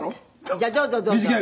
「じゃあどうぞどうぞ」